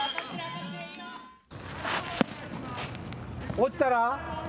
落ちたら？